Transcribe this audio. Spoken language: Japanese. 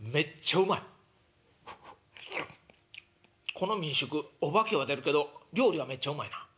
この民宿お化けは出るけど料理はめっちゃうまいな。